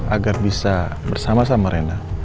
agar bisa bersama sama rena